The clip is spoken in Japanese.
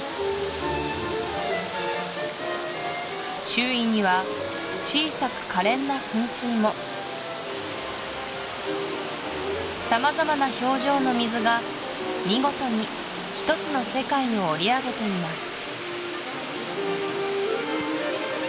周囲には小さく可憐な噴水も様々な表情の水が見事に一つの世界を織りあげています